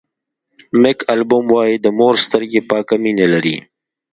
مېک البوم وایي د مور سترګې پاکه مینه لري.